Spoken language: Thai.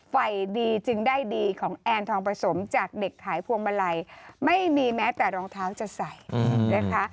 ไฟดีจึงได้ดีของแอนทองผสมจากเด็กขายพวงมาลัยไม่มีแม้แต่รองเท้าจะใส่นะคะ